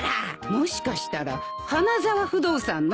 もしかしたら花沢不動産の？